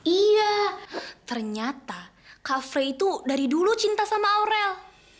iya ternyata cafe itu dari dulu cinta sama aurel